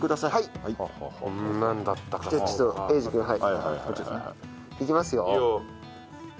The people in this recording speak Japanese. はい。